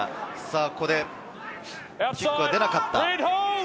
ここでキックは出なかった。